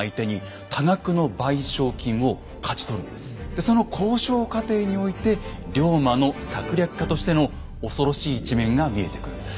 でその交渉過程において龍馬の策略家としての恐ろしい一面が見えてくるんです。